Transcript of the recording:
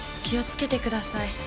気を付けてください。